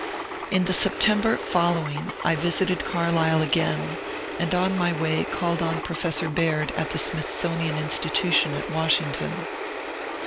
In the September following I visited Carlisle again, and on my way called on Professor Baird at the Smithsonian Insti tution at Washington.